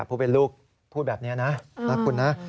ผู้เป็นลูกพูดแบบนี้นะรักคุณนะ